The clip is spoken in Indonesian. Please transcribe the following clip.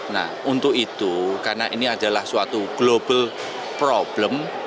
nah untuk itu karena ini adalah suatu global problem